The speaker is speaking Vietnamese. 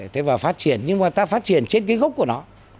thế và phát triển nhưng mà ta phát triển trên cái gốc của nó